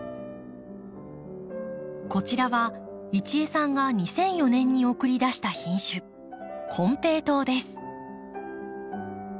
こちらは一江さんが２００４年に送り出した品種「コンペイトウ」です。